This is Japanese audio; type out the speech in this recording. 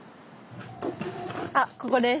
あっここです。